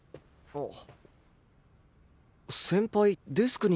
あっ！